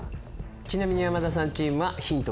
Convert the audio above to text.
ちなみに山田さんチームはヒント